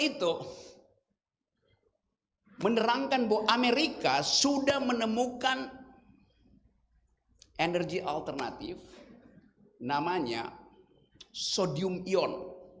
itu menerangkan bahwa amerika sudah menemukan energi alternatif namanya sodium ion